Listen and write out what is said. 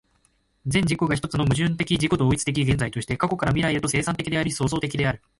全自己が一つの矛盾的自己同一的現在として、過去から未来へと、生産的であり創造的である。